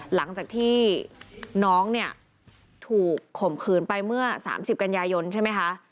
หลังจากที่น้องเนี่ยถูกข่มขืนไปเมื่อ๓๐กันยายนใช่ไหมคะ